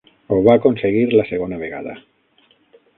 Ho va aconseguir la segona vegada.